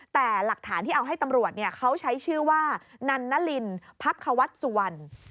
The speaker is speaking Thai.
แต่หลักฐานที่เอาให้ตำรวจเขาใช้ชื่อว่านันนลินพักควัฒน์สุวรรณ